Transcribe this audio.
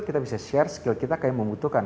kita bisa share skill kita kayak membutuhkan